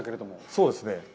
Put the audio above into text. そうですね。